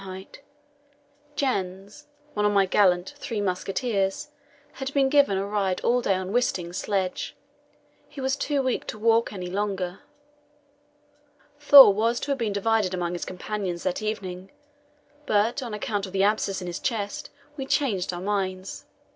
Jens, one of my gallant "Three Musketeers," had been given a ride all day on Wisting's sledge; he was too weak to walk any longer. Thor was to have been divided among his companions that evening, but, on account of the abscess in his chest, we changed our minds.